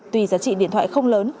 tùy giá trị điện thoại không lớn